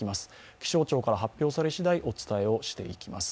気象庁から発表されしだい、お伝えをしていきます。